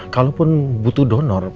kalaupun butuh donor